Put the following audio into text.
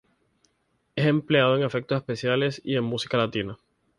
Es empleado en efectos especiales y en música latina.